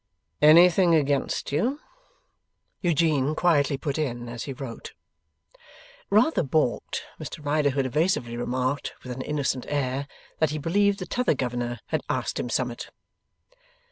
'Anything against you?' Eugene quietly put in, as he wrote. Rather baulked, Mr Riderhood evasively remarked, with an innocent air, that he believed the T'other Governor had asked him summa't.